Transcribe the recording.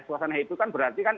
suasana itu kan berarti kan